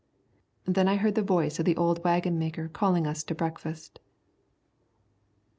Then I heard the voice of the old waggon maker calling us to breakfast.